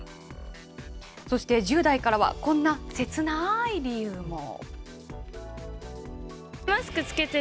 そして１０代からは、こんな切ない理由も。